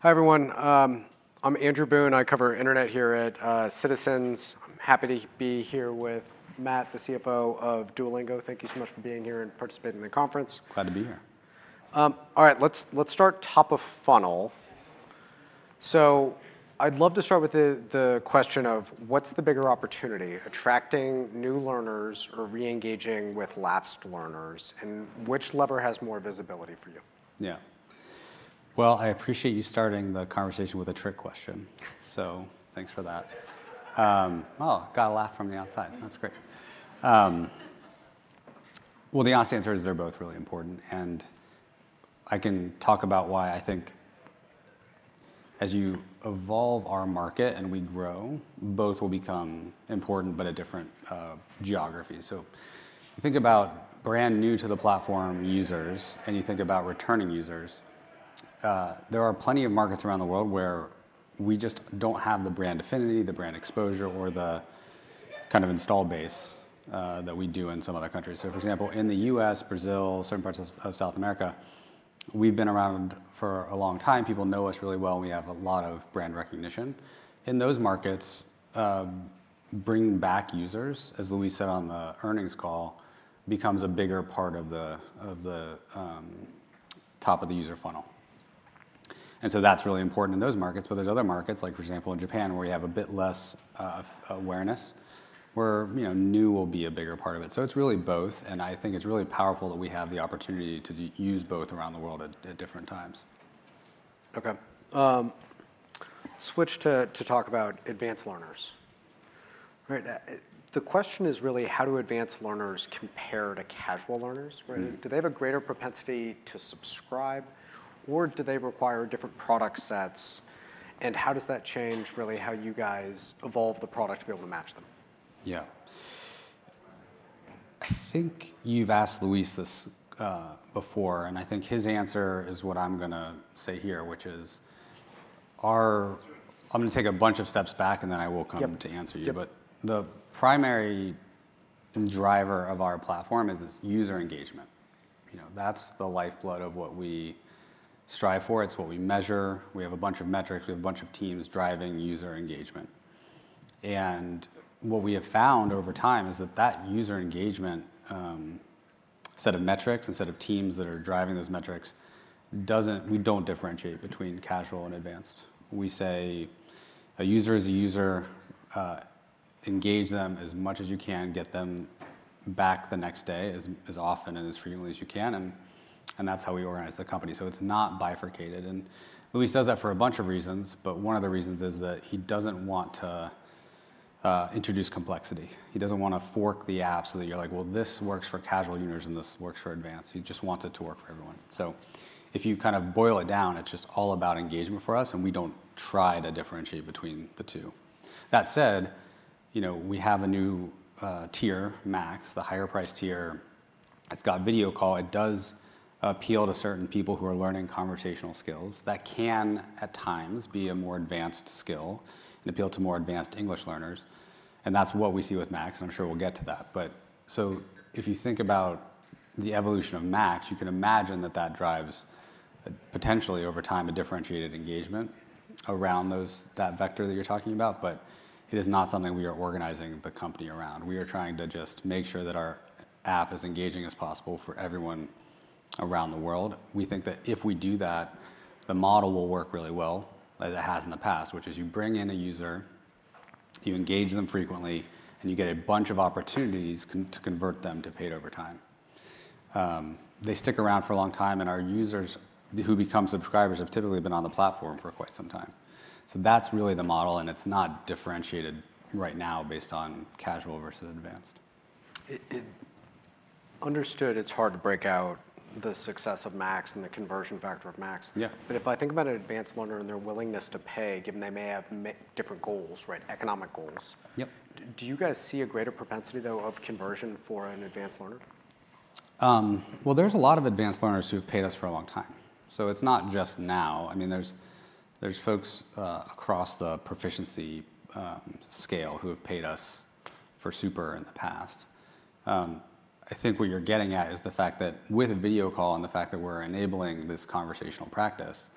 Hi everyone, I'm Andrew Boone. I cover Internet here at Citizens. I'm happy to be here with Matt, the CFO of Duolingo. Thank you so much for being here and participating in the conference. Glad to be here. All right, let's start top of funnel. So, I'd love to start with the question of what's the bigger opportunity: attracting new learners or re-engaging with lapsed learners, and which lever has more visibility for you? Yeah. Well, I appreciate you starting the conversation with a trick question, so thanks for that. Oh, got a laugh from the outside, that's great. Well, the honest answer is they're both really important, and I can talk about why I think as you evolve our market and we grow, both will become important but a different, geography. So, you think about brand new to the platform users, and you think about returning users. There are plenty of markets around the world where we just don't have the brand affinity, the brand exposure, or the kind of installed base that we do in some other countries. So, for example, in the U.S., Brazil, certain parts of South America, we've been around for a long time, people know us really well, we have a lot of brand recognition. In those markets, bringing back users, as Luis said on the earnings call, becomes a bigger part of the top of the user funnel. That's really important in those markets, but there are other markets, like for example in Japan where we have a bit less awareness, where, you know, new will be a bigger part of it. It's really both, and I think it's really powerful that we have the opportunity to use both around the world at different times. Okay, switch to talk about advanced learners. Right, the question is really how do advanced learners compare to casual learners, right? Do they have a greater propensity to subscribe, or do they require different product sets, and how does that change really how you guys evolve the product to be able to match them? Yeah. I think you've asked Luis this before, and I think his answer is what I'm gonna say here, which is, our, I'm gonna take a bunch of steps back and then I will come to answer you, but the primary driver of our platform is user engagement. You know, that's the lifeblood of what we strive for. It's what we measure. We have a bunch of metrics. We have a bunch of teams driving user engagement. And what we have found over time is that that user engagement set of metrics, instead of teams that are driving those metrics, doesn't. We don't differentiate between casual and advanced. We say, a user is a user. Engage them as much as you can. Get them back the next day as often and as frequently as you can, and that's how we organize the company. So it's not bifurcated, and Luis does that for a bunch of reasons, but one of the reasons is that he doesn't want to introduce complexity. He doesn't want to fork the app so that you're like, well this works for casual users and this works for advanced. He just wants it to work for everyone. So, if you kind of boil it down, it's just all about engagement for us, and we don't try to differentiate between the two. That said, you know, we have a new tier, Max, the higher price tier. It's got Video Call, it does appeal to certain people who are learning conversational skills. That can at times be a more advanced skill and appeal to more advanced English learners, and that's what we see with Max. I'm sure we'll get to that, but so if you think about the evolution of Max, you can imagine that that drives, potentially over time, a differentiated engagement around those, that vector that you're talking about, but it is not something we are organizing the company around. We are trying to just make sure that our app is as engaging as possible for everyone around the world. We think that if we do that, the model will work really well, as it has in the past, which is you bring in a user, you engage them frequently, and you get a bunch of opportunities to convert them to paid over time. They stick around for a long time, and our users who become subscribers have typically been on the platform for quite some time. So that's really the model, and it's not differentiated right now based on casual versus advanced. Understood it's hard to break out the success of Max and the conversion factor of Max. Yeah. but if I think about an advanced learner and their willingness to pay, given they may have different goals, right, economic goals. Yep. Do you guys see a greater propensity though of conversion for an advanced learner? Well, there's a lot of advanced learners who've paid us for a long time. So it's not just now. I mean, there's folks across the proficiency scale who have paid us for Super in the past. I think what you're getting at is the fact that with a Video Call and the fact that we're enabling this conversational practice,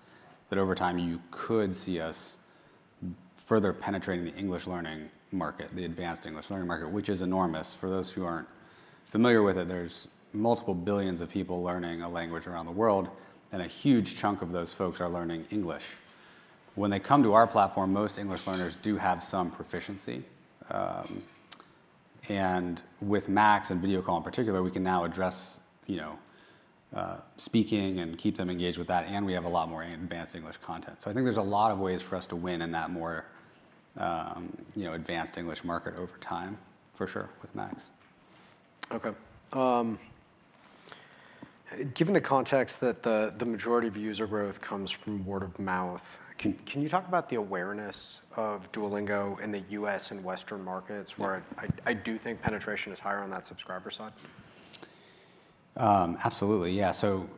that over time you could see us further penetrating the English learning market, the advanced English learning market, which is enormous. For those who aren't familiar with it, there's multiple billions of people learning a language around the world, and a huge chunk of those folks are learning English. When they come to our platform, most English learners do have some proficiency, and with Max and Video Call in particular, we can now address, you know, speaking and keep them engaged with that, and we have a lot more advanced English content. So I think there's a lot of ways for us to win in that more, you know, advanced English market over time, for sure, with Max. Okay, given the context that the majority of user growth comes from word of mouth, can you talk about the awareness of Duolingo in the U.S. and Western markets where I do think penetration is higher on that subscriber side? Absolutely, yeah. So,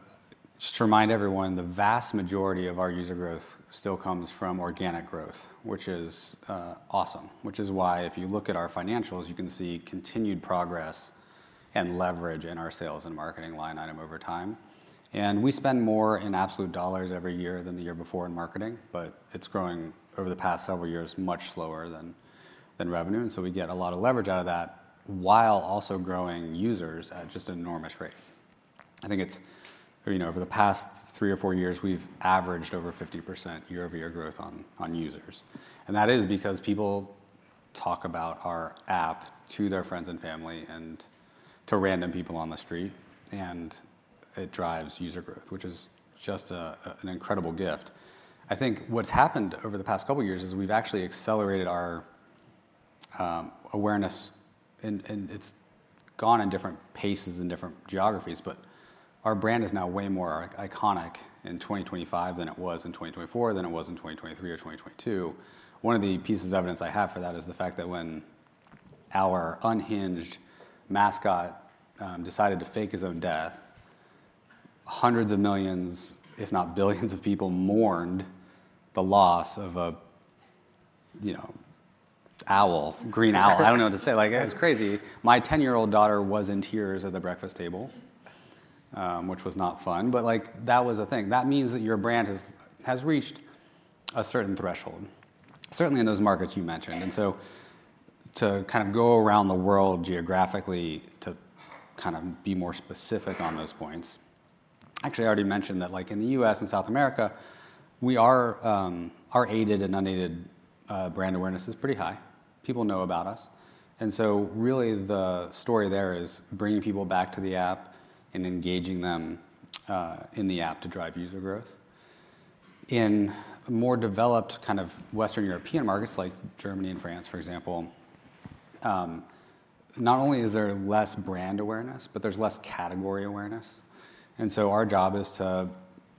just to remind everyone, the vast majority of our user growth still comes from organic growth, which is awesome, which is why if you look at our financials, you can see continued progress and leverage in our sales and marketing line item over time. We spend more in absolute dollars every year than the year before in marketing, but it's growing over the past several years much slower than revenue, and so we get a lot of leverage out of that while also growing users at just an enormous rate. I think it's, you know, over the past three or four years, we've averaged over 50% year-over-year growth on users. That is because people talk about our app to their friends and family and to random people on the street, and it drives user growth, which is just an incredible gift. I think what's happened over the past couple years is we've actually accelerated our awareness, and it's gone in different paces in different geographies, but our brand is now way more iconic in 2025 than it was in 2024, than it was in 2023 or 2022. One of the pieces of evidence I have for that is the fact that when our unhinged mascot decided to fake his own death, hundreds of millions, if not billions of people mourned the loss of a, you know, owl, green owl. I don't know what to say, like, it was crazy. My 10-year-old daughter was in tears at the breakfast table, which was not fun, but like, that was a thing. That means that your brand has reached a certain threshold, certainly in those markets you mentioned. And so, to kind of go around the world geographically to kind of be more specific on those points, actually I already mentioned that like in the U.S. and South America, we are. Our aided and unaided brand awareness is pretty high. People know about us. And so really the story there is bringing people back to the app and engaging them in the app to drive user growth. In more developed kind of Western European markets like Germany and France, for example, not only is there less brand awareness, but there's less category awareness. And so our job is to,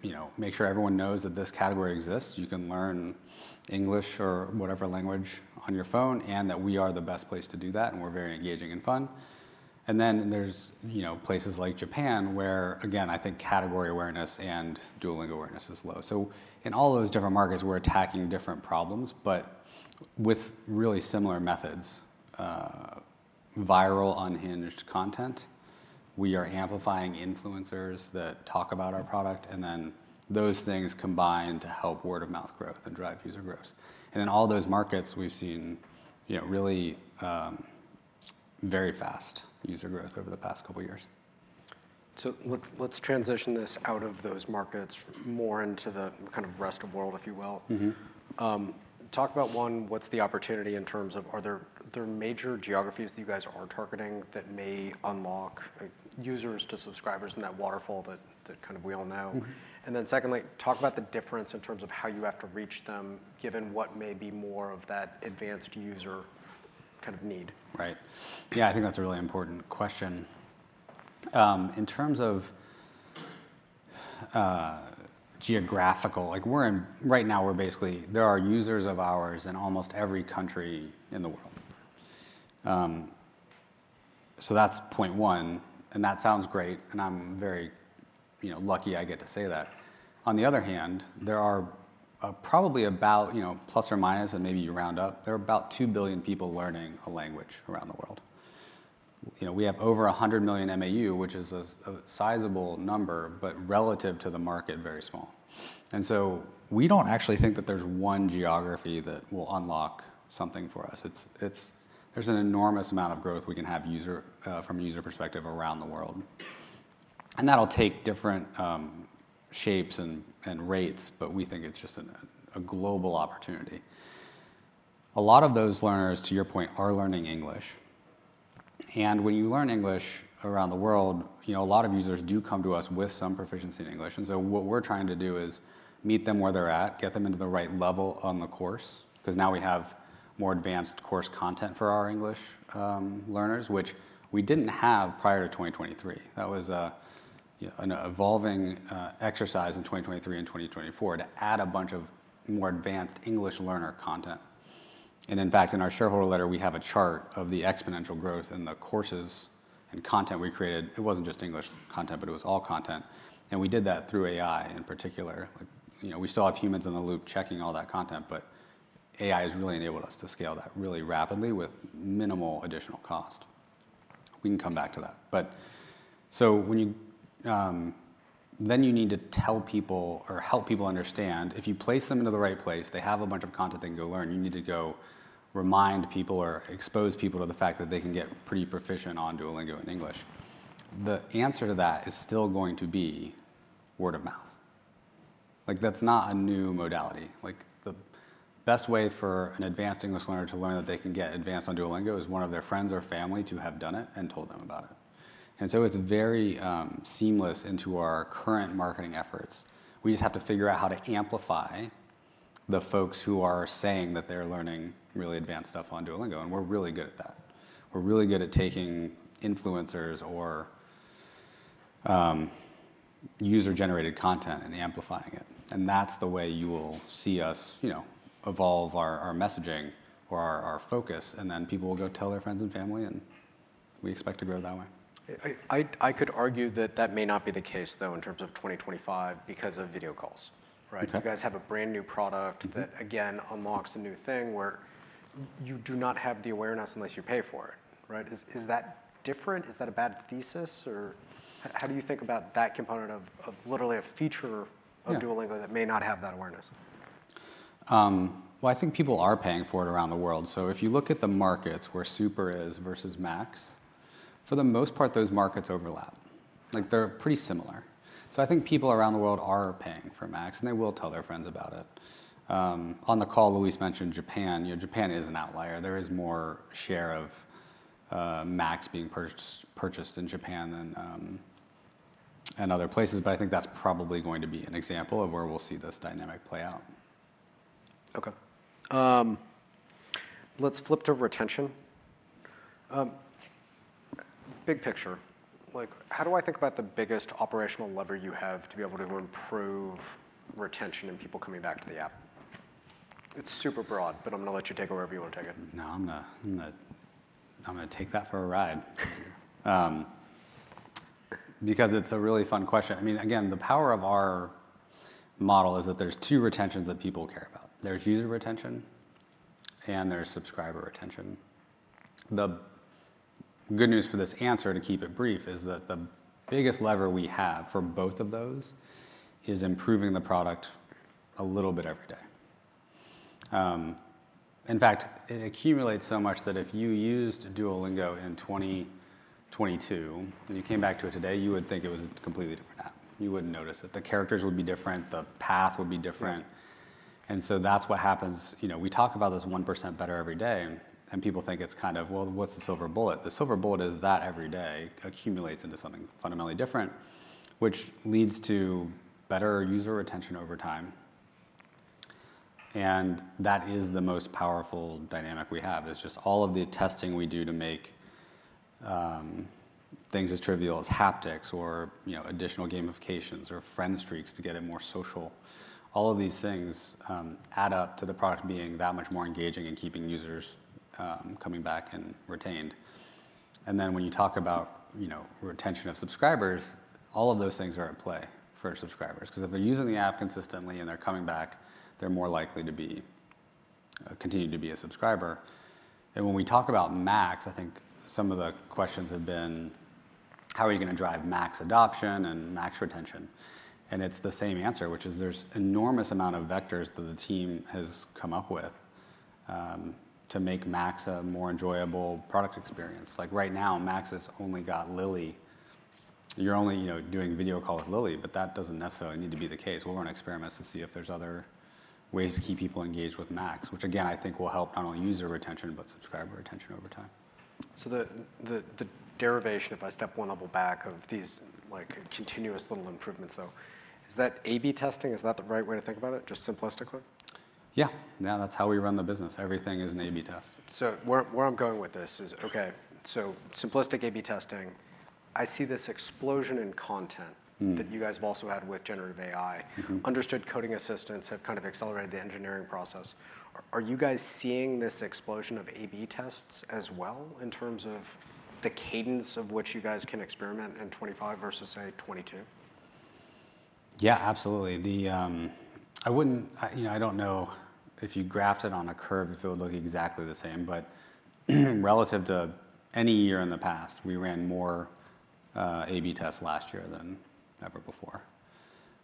you know, make sure everyone knows that this category exists, you can learn English or whatever language on your phone, and that we are the best place to do that, and we're very engaging and fun. And then there's, you know, places like Japan where, again, I think category awareness and Duolingo awareness is low. So in all those different markets, we're attacking different problems, but with really similar methods, viral unhinged content. We are amplifying influencers that talk about our product, and then those things combine to help word of mouth growth and drive user growth. And in all those markets, we've seen, you know, really very fast user growth over the past couple years. So let's transition this out of those markets more into the kind of Rest of World, if you will. Mm-hmm. Talk about one, what's the opportunity in terms of, there are major geographies that you guys are targeting that may unlock users to subscribers in that waterfall that kind of we all know. And then secondly, talk about the difference in terms of how you have to reach them, given what may be more of that advanced user kind of need. Right. Yeah, I think that's a really important question. In terms of geography, like where we are right now, we're basically there are users of ours in almost every country in the world. So that's point one, and that sounds great, and I'm very, you know, lucky I get to say that. On the other hand, there are probably about, you know, plus or minus, and maybe you round up, about 2 billion people learning a language around the world. You know, we have over 100 million MAU, which is a sizable number, but relative to the market, very small, so we don't actually think that there's one geography that will unlock something for us. It's there's an enormous amount of growth we can have from a user perspective around the world. And that'll take different shapes and rates, but we think it's just a global opportunity. A lot of those learners, to your point, are learning English. And when you learn English around the world, you know, a lot of users do come to us with some proficiency in English, and so what we're trying to do is meet them where they're at, get them into the right level on the course, because now we have more advanced course content for our English learners, which we didn't have prior to 2023. That was a, you know, an evolving exercise in 2023 and 2024 to add a bunch of more advanced English learner content. And in fact, in our shareholder letter, we have a chart of the exponential growth in the courses and content we created. It wasn't just English content, but it was all content. We did that through AI in particular. Like, you know, we still have humans in the loop checking all that content, but AI has really enabled us to scale that really rapidly with minimal additional cost. We can come back to that. When then you need to tell people or help people understand, if you place them into the right place, they have a bunch of content they can go learn. You need to go remind people or expose people to the fact that they can get pretty proficient on Duolingo in English. The answer to that is still going to be word of mouth. Like, that's not a new modality. Like, the best way for an advanced English learner to learn that they can get advanced on Duolingo is one of their friends or family to have done it and told them about it. And so it's very seamless into our current marketing efforts. We just have to figure out how to amplify the folks who are saying that they're learning really advanced stuff on Duolingo, and we're really good at that. We're really good at taking influencers or user-generated content and amplifying it. And that's the way you will see us, you know, evolve our messaging or our focus, and then people will go tell their friends and family, and we expect to grow that way. I could argue that that may not be the case though in terms of 2025 because of Video Calls. Right. You guys have a brand new product that, again, unlocks a new thing where you do not have the awareness unless you pay for it, right? Is that different? Is that a bad thesis or how do you think about that component of literally a feature of Duolingo that may not have that awareness? Well, I think people are paying for it around the world. So if you look at the markets where Super is versus Max, for the most part, those markets overlap. Like, they're pretty similar. So I think people around the world are paying for Max, and they will tell their friends about it. On the call, Luis mentioned Japan. You know, Japan is an outlier. There is more share of Max being purchased in Japan than in other places, but I think that's probably going to be an example of where we'll see this dynamic play out. Okay, let's flip to retention. Big picture. Like, how do I think about the biggest operational lever you have to be able to improve retention and people coming back to the app? It's super broad, but I'm gonna let you take it wherever you wanna take it. No, I'm gonna take that for a ride because it's a really fun question. I mean, again, the power of our model is that there's two retentions that people care about. There's user retention and there's subscriber retention. The good news for this answer, to keep it brief, is that the biggest lever we have for both of those is improving the product a little bit every day. In fact, it accumulates so much that if you used Duolingo in 2022 and you came back to it today, you would think it was a completely different app. You wouldn't notice it. The characters would be different, the path would be different. And so that's what happens, you know, we talk about this 1% better every day, and people think it's kind of, well, what's the silver bullet? The silver bullet is that every day accumulates into something fundamentally different, which leads to better user retention over time. And that is the most powerful dynamic we have. It's just all of the testing we do to make things as trivial as haptics or, you know, additional gamifications or Friend Streaks to get it more social. All of these things add up to the product being that much more engaging and keeping users coming back and retained. And then when you talk about, you know, retention of subscribers, all of those things are at play for subscribers. Because if they're using the app consistently and they're coming back, they're more likely to be continue to be a subscriber. And when we talk about Max, I think some of the questions have been how are you gonna drive Max adoption and Max retention? And it's the same answer, which is there's an enormous amount of vectors that the team has come up with, to make Max a more enjoyable product experience. Like right now, Max has only got Lily. You're only, you know, doing Video Call with Lily, but that doesn't necessarily need to be the case. We're gonna experiment to see if there's other ways to keep people engaged with Max, which again, I think will help not only user retention, but subscriber retention over time. So the derivation, if I step one level back of these, like, continuous little improvements, though, is that A/B testing? Is that the right way to think about it? Just simplistically? Yeah. Now that's how we run the business. Everything is an A/B test. So, where, where I'm going with this is, okay, so simplistic A/B testing. I see this explosion in content that you guys have also had with generative AI. Understood, coding assistants have kind of accelerated the engineering process. Are you guys seeing this explosion of A/B tests as well in terms of the cadence of what you guys can experiment in 2025 versus, say, 2022? Yeah, absolutely. I wouldn't, you know, I don't know if you graphed it on a curve, it would look exactly the same, but relative to any year in the past, we ran more A/B tests last year than ever before.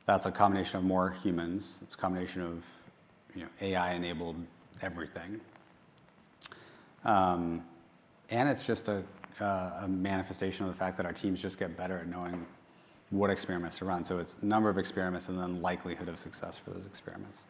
That's a combination of more humans. It's a combination of, you know, AI-enabled everything. And it's just a manifestation of the fact that our teams just get better at knowing what experiments to run. So it's number of experiments and then likelihood of success for those experiments.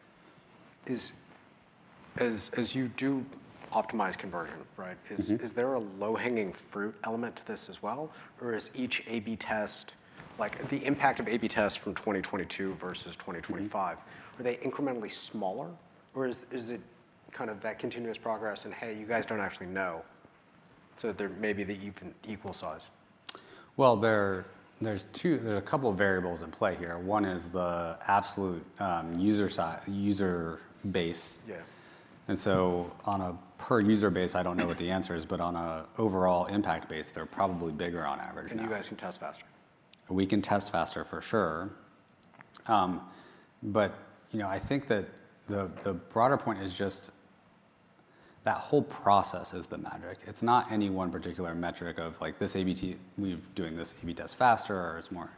As you do optimize conversion, right? Is there a low-hanging fruit element to this as well? Or is each A/B test, like the impact of A/B tests from 2022 versus 2025, are they incrementally smaller? Or is it kind of that continuous progress and, hey, you guys don't actually know, so they're maybe the even equal size? Well, there's two, there's a couple of variables in play here. One is the absolute user size, user base. Yeah. And so on a per user basis, I don't know what the answer is, but on an overall impact basis, they're probably bigger on average. You guys can test faster. We can test faster for sure. But you know, I think that the broader point is just that whole process is the magic. It's not any one particular metric of like this A/B team, we're doing this A/B test faster or it's more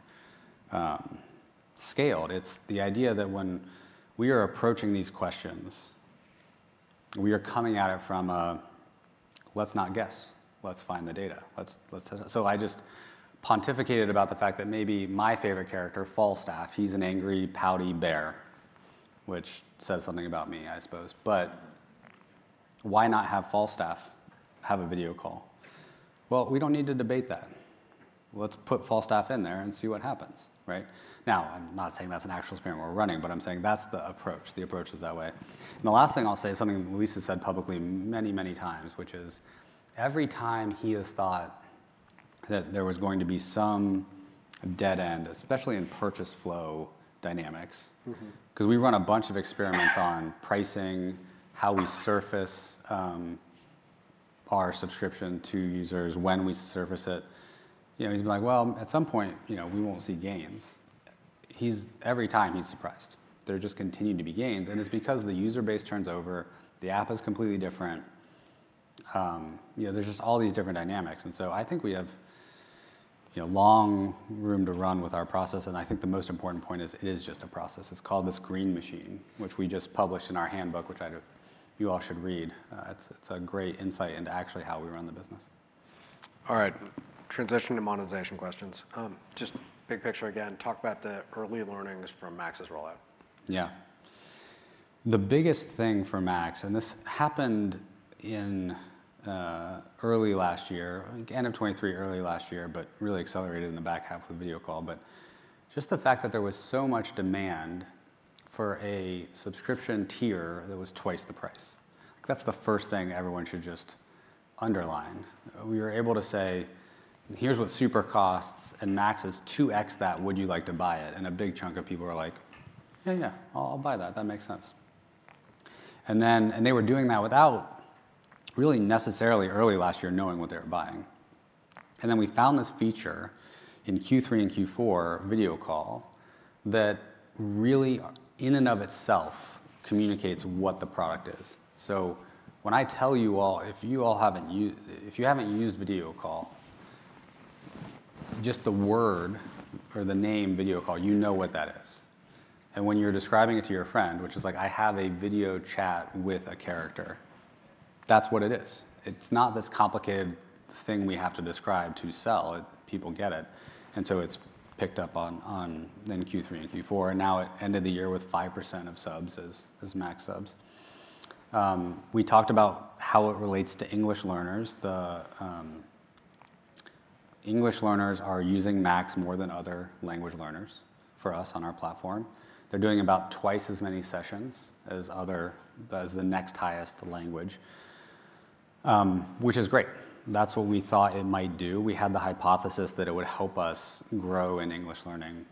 scaled. It's the idea that when we are approaching these questions, we are coming at it from a let's not guess, let's find the data. So I just pontificated about the fact that maybe my favorite character, Falstaff, he's an angry, pouty bear, which says something about me, I suppose. But why not have Falstaff have a video call? Well, we don't need to debate that. Let's put Falstaff in there and see what happens, right? Now, I'm not saying that's an actual experiment we're running, but I'm saying that's the approach. The approach is that way. And the last thing I'll say is something Luis has said publicly many, many times, which is every time he has thought that there was going to be some dead end, especially in purchase flow dynamics, because we run a bunch of experiments on pricing, how we surface our subscription to users when we surface it, you know. He's been like, well, at some point, you know, we won't see gains. He's every time he's surprised. There just continue to be gains. And it's because the user base turns over, the app is completely different, you know. There's just all these different dynamics. And so I think we have, you know, long room to run with our process. And I think the most important point is it is just a process. It's called the Green Machine, which we just published in our handbook, which I know you all should read. It's a great insight into actually how we run the business. All right. Transition to monetization questions. Just big picture again, talk about the early learnings from Max's rollout. Yeah. The biggest thing for Max, and this happened in early last year, I think end of 2023, early last year, but really accelerated in the back half of the Video Call, but just the fact that there was so much demand for a subscription tier that was twice the price. That's the first thing everyone should just underline. We were able to say, here's what Super costs and Max is 2x that. Would you like to buy it? And a big chunk of people were like, yeah, yeah, I'll buy that. That makes sense. And then, and they were doing that without really necessarily early last year knowing what they're buying. And then we found this feature in Q3 and Q4 Video Call that really in and of itself communicates what the product is. So when I tell you all, if you all haven't used, if you haven't used Video Call, just the word or the name Video Call, you know what that is. And when you're describing it to your friend, which is like, I have a video chat with a character, that's what it is. It's not this complicated thing we have to describe to sell it. People get it. And so it's picked up on, on then Q3 and Q4. And now it ended the year with 5% of subs as, as Max subs. We talked about how it relates to English learners. The English learners are using Max more than other language learners for us on our platform. They're doing about twice as many sessions as other, as the next highest language, which is great. That's what we thought it might do. We had the hypothesis that it would help us grow in English learning,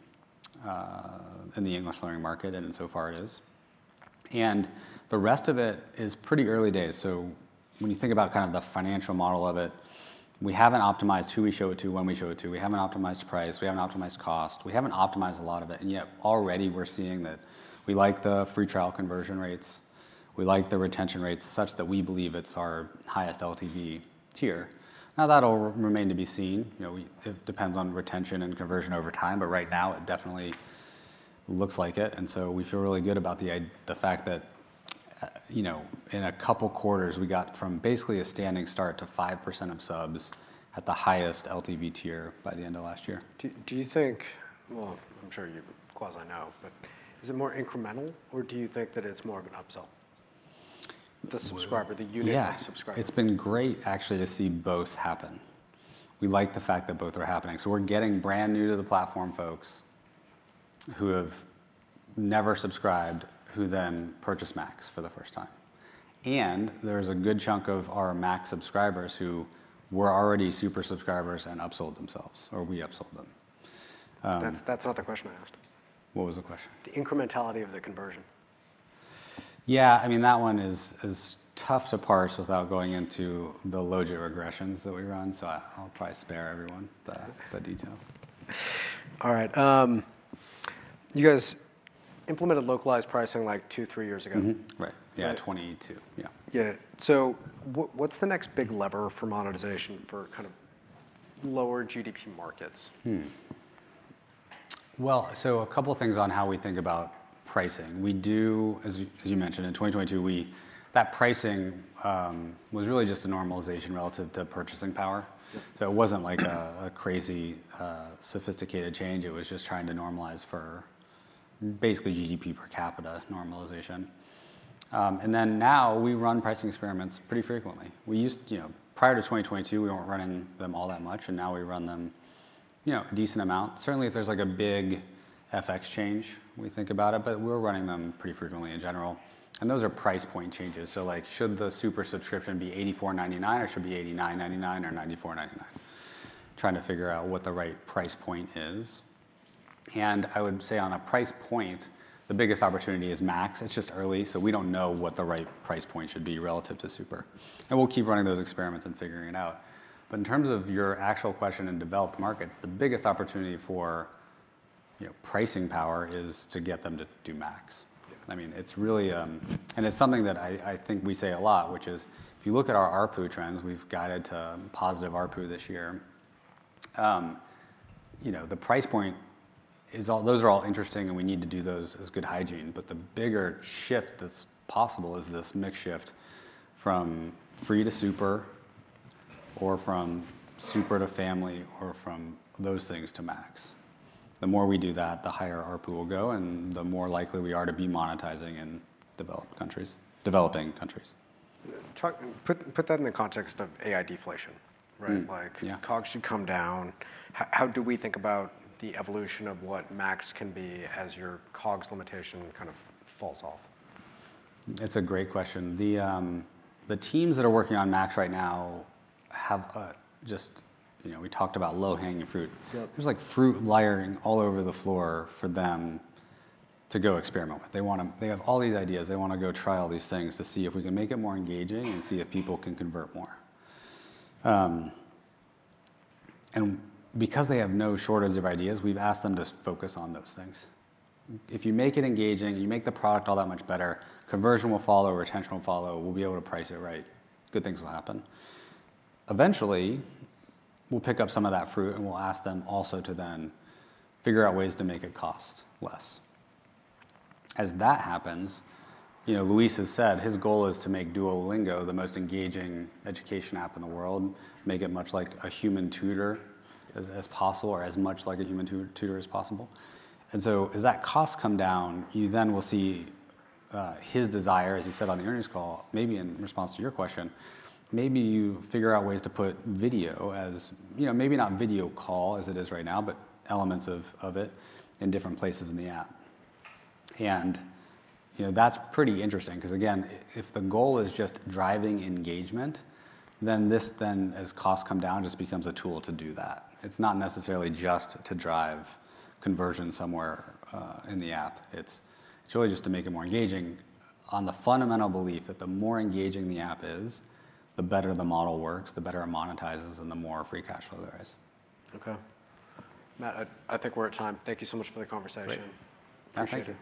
in the English learning market, and so far it is, and the rest of it is pretty early days, so when you think about kind of the financial model of it, we haven't optimized who we show it to, when we show it to. We haven't optimized price. We haven't optimized cost. We haven't optimized a lot of it, and yet already we're seeing that we like the free trial conversion rates. We like the retention rates such that we believe it's our highest LTV tier. Now that'll remain to be seen. You know, it depends on retention and conversion over time, but right now it definitely looks like it. And so we feel really good about the fact that, you know, in a couple quarters we got from basically a standing start to 5% of subs at the highest LTV tier by the end of last year. Do you think, well, I'm sure you know, but is it more incremental or do you think that it's more of an upsell? The subscriber, the unit subscriber. Yeah, it's been great actually to see both happen. We like the fact that both are happening. So we're getting brand new to the platform folks who have never subscribed, who then purchased Max for the first time. And there's a good chunk of our Max subscribers who were already Super subscribers and upsold themselves, or we upsold them. That's not the question I asked. What was the question? The incrementality of the conversion. Yeah, I mean, that one is tough to parse without going into the logistic regressions that we run. So I'll probably spare everyone the details. All right. You guys implemented localized pricing like two, three years ago. Right. Yeah, 2022. Yeah. Yeah. So what's the next big lever for monetization for kind of lower GDP markets? So a couple things on how we think about pricing. We do, as you, as you mentioned, in 2022, we, that pricing, was really just a normalization relative to purchasing power. So it wasn't like a crazy, sophisticated change. It was just trying to normalize for basically GDP per capita normalization. And then now we run pricing experiments pretty frequently. We used to, you know, prior to 2022, we weren't running them all that much. And now we run them, you know, a decent amount. Certainly if there's like a big FX change, we think about it, but we're running them pretty frequently in general. And those are price point changes. So like, should the Super subscription be $84.99 or should be $89.99 or $94.99? Trying to figure out what the right price point is. And I would say on a price point, the biggest opportunity is Max. It's just early. So we don't know what the right price point should be relative to Super. And we'll keep running those experiments and figuring it out. But in terms of your actual question and developed markets, the biggest opportunity for, you know, pricing power is to get them to do Max. I mean, it's really, and it's something that I, I think we say a lot, which is if you look at our ARPU trends, we've guided to positive ARPU this year. You know, the price point is all, those are all interesting and we need to do those as good hygiene. But the bigger shift that's possible is this mix shift from free to Super or from Super to Family or from those things to Max. The more we do that, the higher ARPU will go and the more likely we are to be monetizing in developed countries, developing countries. Put that in the context of AI deflation, right? Like COGS should come down. How do we think about the evolution of what Max can be as your COGS limitation kind of falls off? It's a great question. The teams that are working on Max right now have just, you know, we talked about low-hanging fruit. There's like fruit lying all over the floor for them to go experiment with. They want to, they have all these ideas. They want to go try all these things to see if we can make it more engaging and see if people can convert more. And because they have no shortage of ideas, we've asked them to focus on those things. If you make it engaging, you make the product all that much better, conversion will follow, retention will follow, we'll be able to price it right. Good things will happen. Eventually we'll pick up some of that fruit and we'll ask them also to then figure out ways to make it cost less. As that happens, you know, Luis has said his goal is to make Duolingo the most engaging education app in the world, make it much like a human tutor as, as possible, or as much like a human tutor as possible. And so as that cost comes down, you then will see his desire, as he said on the earnings call, maybe in response to your question, maybe you figure out ways to put video as, you know, maybe not Video Call as it is right now, but elements of it in different places in the app. And you know, that's pretty interesting. 'Cause again, if the goal is just driving engagement, then this, then as costs come down, just becomes a tool to do that. It's not necessarily just to drive conversion somewhere in the app. It's really just to make it more engaging on the fundamental belief that the more engaging the app is, the better the model works, the better it monetizes, and the more free cash flow there is. Okay. Matt, I think we're at time. Thank you so much for the conversation. Thank you.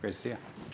Great to see you.